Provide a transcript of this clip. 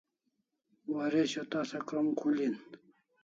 Waresho tasa krom khul hin